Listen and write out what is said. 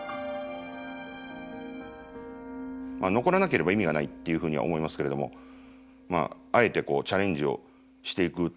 残らなければ意味がないっていうふうには思いますけれどもまああえてチャレンジをしていく。